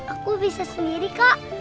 aku bisa sendiri kak